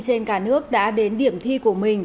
trên cả nước đã đến điểm thi của mình